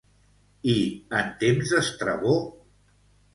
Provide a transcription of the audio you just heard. I en temps d'Estrabó?